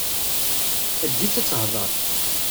Eǧǧ-itt ad tehder!